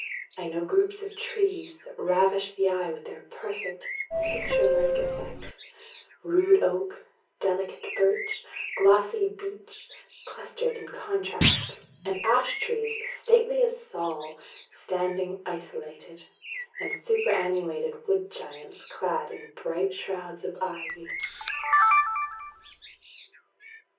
I know groups of trees that ravish the eye with their perfect, picture like effects: rude oak, delicate birch, glossy beech, clustered in contrast; and ash trees, stately as Saul, standing isolated; and superannuated wood giants clad in bright shrouds of ivy."